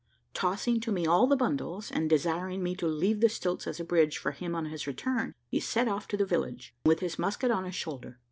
Tossing to me all the bundles, and desiring me to leave the stilts as a bridge for him on his return, he set off to the village with his musket on his shoulder.